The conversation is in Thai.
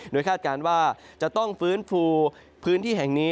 โดยคาดการณ์ว่าจะต้องฟื้นฟูพื้นที่แห่งนี้